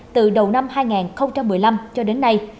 từ đầu năm hai nghìn một mươi năm cho đến nay